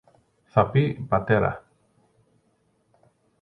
Θα πει, πατέρα